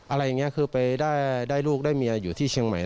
อะไรอย่างนี้คือไปได้ลูกได้เมียอยู่ที่เชียงใหม่